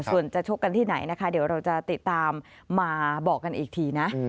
ส่วนจะชกกันที่ไหนนะคะเดี๋ยวเราจะติดตามมาบอกกันอีกทีนะ